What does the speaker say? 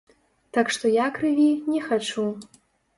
Так што я крыві не хачу.